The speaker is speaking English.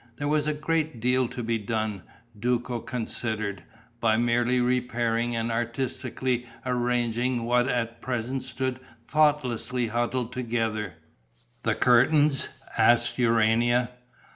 There was a great deal to be done, Duco considered, by merely repairing and artistically arranging what at present stood thoughtlessly huddled together. "The curtains?" asked Urania.